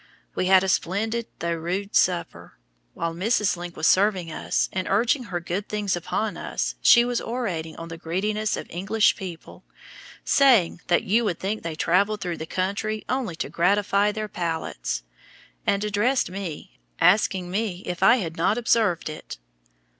We had a splendid though rude supper. While Mrs. Link was serving us, and urging her good things upon us, she was orating on the greediness of English people, saying that "you would think they traveled through the country only to gratify their palates"; and addressed me, asking me if I had not observed it!